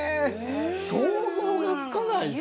想像がつかない。